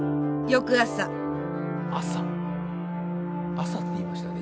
「朝」って言いましたよね？